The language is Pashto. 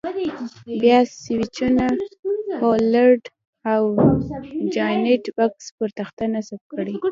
بیا سویچونه، هولډر او جاینټ بکس پر تخته نصب کړئ.